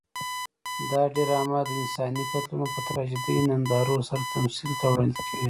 دا ډرامه د انساني قتلونو په تراژیدي نندارو سره تمثیل ته وړاندې کېږي.